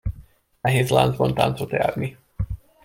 Nehéz láncban táncot járni.